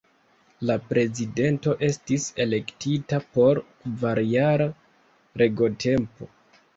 La Prezidento estis elektita por kvarjara regotempo.